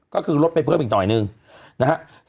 ก็คือลดไปเพิ่มอีกหน่อยนึงนะครับ